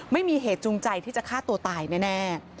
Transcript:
ไม่มีเหตุจูงใจที่จะฆ่าตัวตายแน่